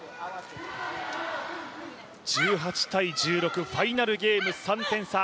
１８−１６、ファイナルゲーム３点差。